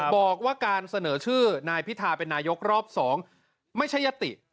บอกว่าการเสนอชื่อนายพิธาเป็นนายกรอบ๒ไม่ใช่ยติ